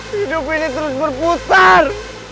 hidup ini terus berputar